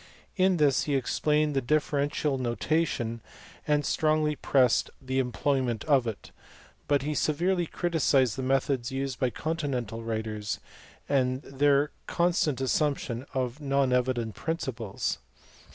In this he explained the differential notation and strongly pressed the employment of it, but he severely criticized the methods used by continental writers, and their constant assumption of non evident principles.